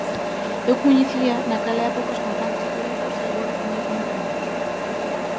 Eu coñecía naquela época aos cantantes galegos e agora coñezo moito menos.